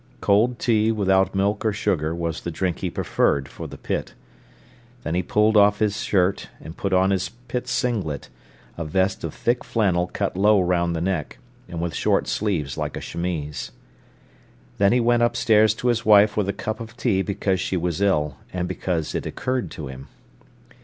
Cold tea without milk or sugar was the drink he preferred for the pit. Then he pulled off his shirt, and put on his pit singlet, a vest of thick flannel cut low round the neck, and with short sleeves like a chemise. Then he went upstairs to his wife with a cup of tea because she was ill, and because it occurred to him.